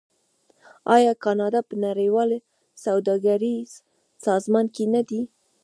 آیا کاناډا په نړیوال سوداګریز سازمان کې نه دی؟